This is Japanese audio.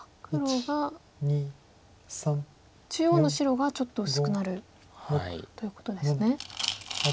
中央の白がちょっと薄くなるということですね。